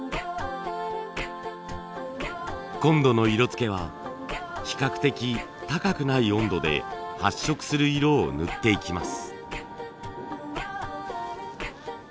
今度の色つけは比較的高くない温度で発色する色を塗っていきます。